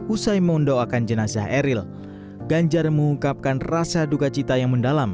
usai mendoakan jenazah eril ganjar mengungkapkan rasa duka cita yang mendalam